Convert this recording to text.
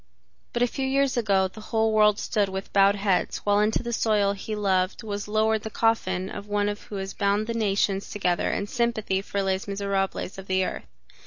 But a few years ago the whole world stood with bowed head while into the soil he loved was lowered the coffin of one who has bound the nations together in sympathy for Les Misérables of the earth.